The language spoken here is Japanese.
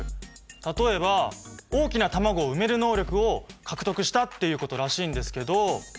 例えば大きな卵を産める能力を獲得したっていうことらしいんですけど。